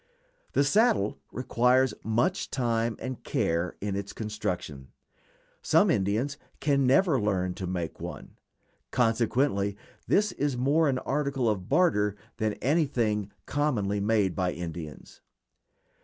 The saddle requires much time and care in its construction; some Indians can never learn to make one; consequently this is more an article of barter than anything commonly made by Indians.